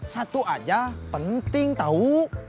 satu aja penting tau